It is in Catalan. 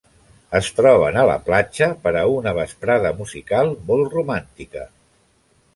Es troben a la platja per a una vesprada musical molt romàntica.